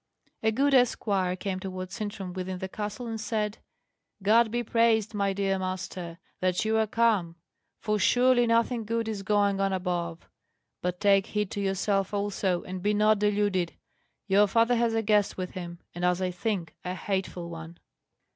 A good esquire came towards Sintram within the castle and said, "God be praised, my dear master, that you are come; for surely nothing good is going on above. But take heed to yourself also, and be not deluded. Your father has a guest with him, and, as I think a hateful one."